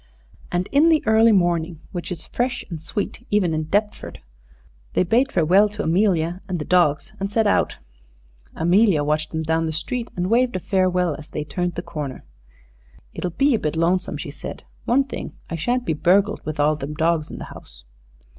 And in the early morning, which is fresh and sweet even in Deptford, they bade farewell to Amelia and the dogs and set out. Amelia watched them down the street and waved a farewell as they turned the corner. "It'll be a bit lonesome," she said. "One thing, I shan't be burgled, with all them dogs in the house."